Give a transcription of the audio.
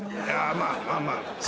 いやまあ。